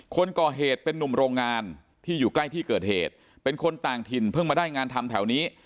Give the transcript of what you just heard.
คนก่อเหตุเป็นนุ่มโรงงานที่อยู่ใกล้ที่เกิดเหตุเป็นคนต่างถิ่นเพิ่งมาได้งานทำแถวนี้